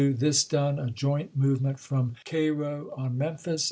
This done, a joint movement from Cairo on Memphis ; ms.